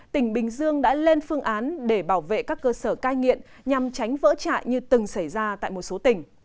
tỉnh bình dương đã lên phương án để bảo vệ các cơ sở cai nghiện nhằm tránh vỡ chạy như từng xảy ra tại một số tỉnh